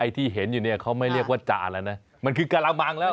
ที่เห็นอยู่เนี่ยเขาไม่เรียกว่าจานแล้วนะมันคือกระมังแล้ว